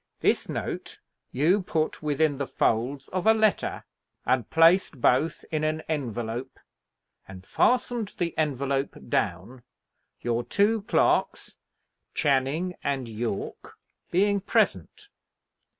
This note you put within the folds of a letter, and placed both in an envelope, and fastened the envelope down, your two clerks, Channing and Yorke, being present.